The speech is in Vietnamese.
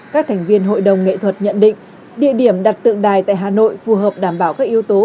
các thành viên hội đồng nghệ thuật nhận định địa điểm đặt tượng đài tại hà nội phù hợp đảm bảo các yếu tố